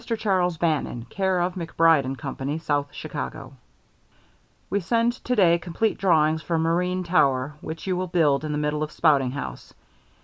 CHARLES BANNON, care of MacBride & Company, South Chicago: We send to day complete drawings for marine tower which you will build in the middle of spouting house.